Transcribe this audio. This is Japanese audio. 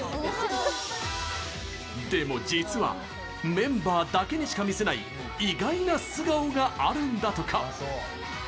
でも実はメンバーだけにしか見せない意外な素顔があるんだとか！